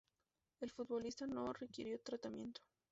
El futbolista no requirió tratamiento.